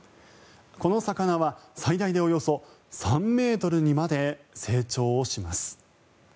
この魚は最大でおよそ３ｍにまで成長します。